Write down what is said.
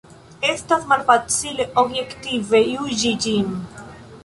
Estas malfacile objektive juĝi ĝin.